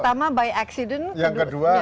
pertama by accident yang seribu empat ratus lima